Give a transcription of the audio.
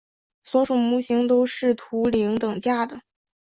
所有模型都是图灵等价的。